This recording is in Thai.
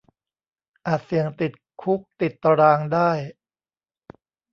อาจเสี่ยงติดคุกติดตะรางได้